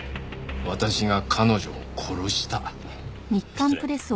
「私が彼女を殺した」失礼。